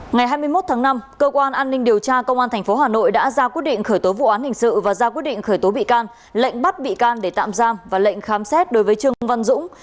ngày hai mươi một tháng năm cơ quan an ninh điều tra công an tp hà nội đã ra quyết định khởi tố vụ án hình sự và ra quyết định khởi tố bị can lệnh bắt bị can để tạm giam và lệnh khám xét đối với trương văn dũng